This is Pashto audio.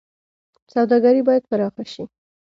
سوداګري باید پراخه شي